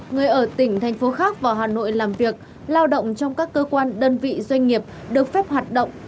người ở tỉnh thành phố khác vào hà nội làm việc lao động trong các cơ quan đơn vị doanh nghiệp được phép hoạt động